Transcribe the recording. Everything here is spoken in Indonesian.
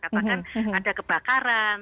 katakan ada kebakaran